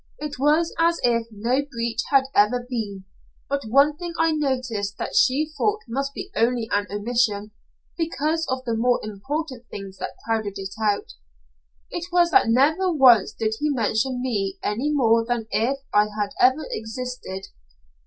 It was as if no breach had ever been, but one thing I noticed that she thought must be only an omission, because of the more important things that crowded it out. It was that never once did he mention me any more than if I had never existed.